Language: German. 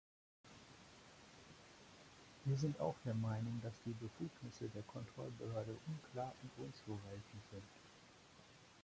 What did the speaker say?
Wir sind auch der Meinung, dass die Befugnisse der Kontrollbehörde unklar und unzureichend sind.